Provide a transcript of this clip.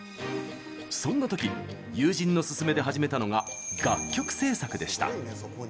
そんなとき、友人の勧めで始めたのが楽曲制作でした。